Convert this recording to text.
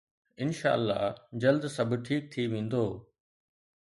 انشاالله جلد سڀ ٺيڪ ٿي ويندو